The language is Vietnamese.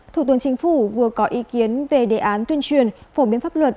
thủ tướng chính phủ vừa có ý kiến về đề án tuyên truyền phổ biến pháp luật